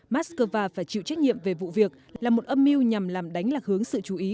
mát x cơ va phải chịu trách nhiệm về vụ việc là một âm mưu nhằm làm đánh lạc hướng sự chú ý